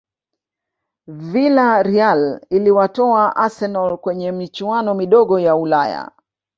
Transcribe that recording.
Vilareal iliwatoa arsenal kwenye michuano midogo ya ulaya